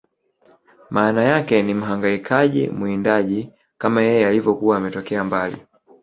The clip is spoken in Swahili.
Maana yake ni Mhangaikaji Mwindaji kama yeye alivyokuwa ametokea mbali